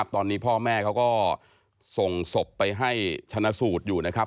ตอนนี้พ่อแม่เขาก็ส่งศพไปให้ชนะสูตรอยู่นะครับ